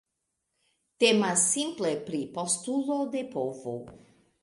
Temas simple pri postulo de povo.